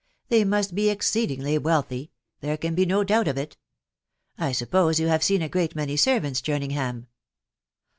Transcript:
They must be exceedingly wealthy .... there can be no doubt of it I suppose you have seen a great many servants, Jerningham